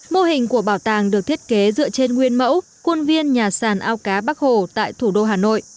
mô hình của bảo tàng được thiết kế dựa trên nguyên mẫu quân viên nhà sàn ao cá bắc hồ tại thủ đô hà nội